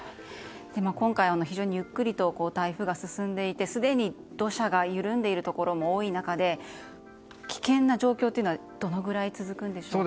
今回、非常にゆっくりと台風が進んでいてすでに土砂が緩んでいるところも多い中で危険な状況というのはどのぐらい続くんでしょうか。